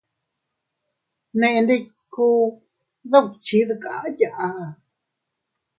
Nendikku dukchi dkayaa.